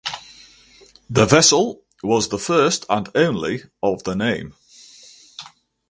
The vessel was the first and only of the name.